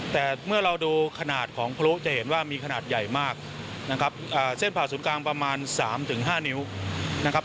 แต่เมื่อเราดูขนาดของพลุจะเห็นว่ามีขนาดใหญ่มากนะครับเส้นผ่าศูนย์กลางประมาณ๓๕นิ้วนะครับ